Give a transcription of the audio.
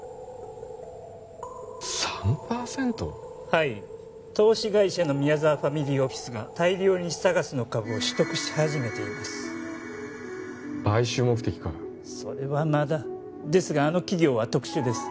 はい投資会社の宮沢ファミリーオフィスが大量にＳＡＧＡＳの株を取得し始めています買収目的かそれはまだですがあの企業は特殊です